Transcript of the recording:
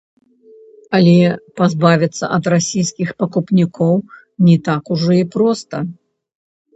Але пазбавіцца ад расійскіх пакупнікоў не так ужо і проста!